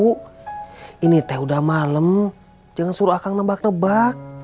bu ini teh udah malam jangan suruh akang nebak nebak